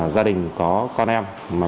gia đình có con em